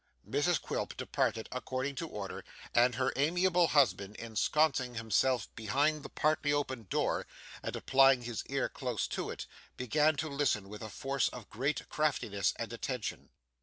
Mrs Quilp departed according to order, and her amiable husband, ensconcing himself behind the partly opened door, and applying his ear close to it, began to listen with a face of great craftiness and attention.